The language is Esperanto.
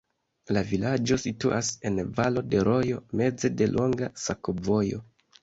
La vilaĝo situas en valo de rojo, meze de longa sakovojo.